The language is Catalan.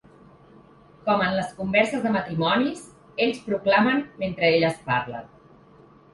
Com en les converses de matrimonis, ells proclamen mentre elles parlen.